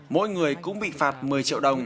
mỗi người cũng bị phạt một mươi triệu đồng